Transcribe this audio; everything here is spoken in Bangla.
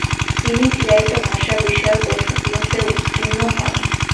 তিনি চিরায়ত ভাষা বিষয়ের পরীক্ষাগুলোতে উত্তীর্ণ হন।